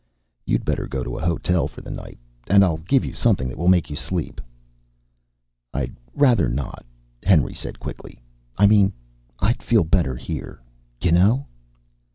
"You'd better go to a hotel for the night. And I'll give you something that will make you sleep." "I'd rather not," Henry said quickly. "I mean, I'd feel better here. You know...."